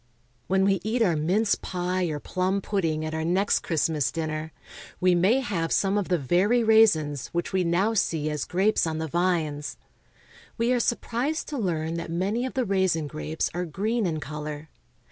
When we eat our mince pie or plum pudding at our next Christmas dinner, we may have some of the very raisins which we now see as grapes on the vines. We are sur prised to learn that many of the raisin grapes are green in color.